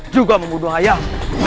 juga membunuh ayah